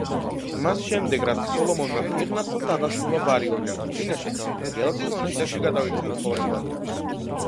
მას შემდეგ, რაც სოლომონმა პირნათლად აღასრულა ვალი ოჯახის წინაშე, გელათის მონასტერში გადავიდა საცხოვრებლად.